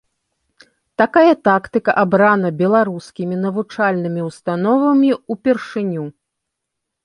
Такая тактыка абрана беларускімі навучальнымі ўстановамі ўпершыню.